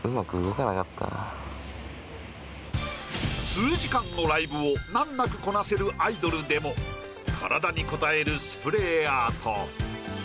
数時間のライブを難なくこなせるアイドルでも体にこたえるスプレーアート。